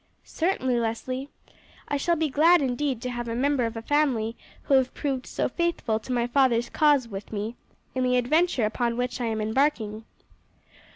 "Certainly, Leslie. I shall be glad indeed to have a member of a family who have proved so faithful to my father's cause with me in the adventure upon which I am embarking."